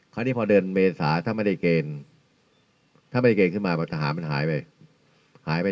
คราวนี้พอเดือนเมษาถ้าไม่ได้เกณฑ์ถ้าไม่ได้เกณฑ์ขึ้นมาพอทหารมันหายไปหายไป